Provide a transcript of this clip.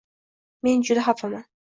Men juda xafaman.